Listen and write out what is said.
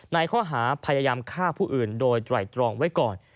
ในข้อหาพยายามฆ่าผู้อื่นโดยไตรตรองไว้ก่อน